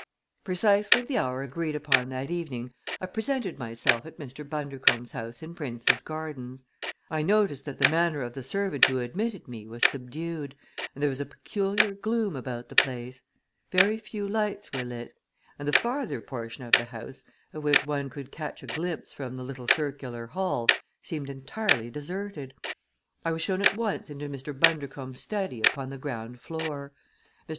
At precisely the hour agreed upon that evening I presented myself at Mr. Bundercombe's house in Prince's Gardens. I noticed that the manner of the servant who admitted me was subdued and there was a peculiar gloom about the place. Very few lights were lit and the farther portion of the house, of which one could catch a glimpse from the little circular hall, seemed entirely deserted. I was shown at once into Mr. Bundercombe's study upon the ground floor. Mr.